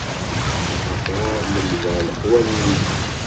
Axaṭer lemdeɣ leqwanen-ik.